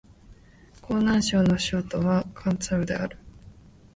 河南省の省都は鄭州である